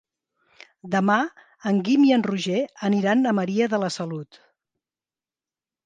Demà en Guim i en Roger aniran a Maria de la Salut.